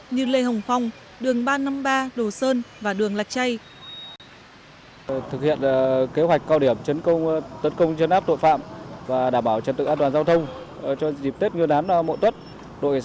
như lê hồng phong đường ba trăm năm mươi ba đồ sơn và đường lạch chay